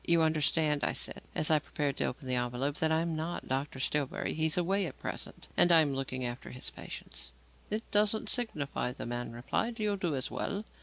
"You understand," I said, as I prepared to open the envelope, "that I am not Dr. Stillbury. He is away at present and I am looking after his patients." "It doesn't signify," the man replied. "You'll do as well."